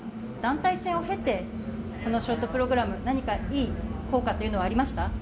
団体戦を経てこのショートプログラム、何かいい効果というのはありました？